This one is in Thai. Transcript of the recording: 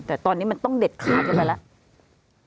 แต่ตอนนี้มันต้องเด็ดขาดกันไปแล้ว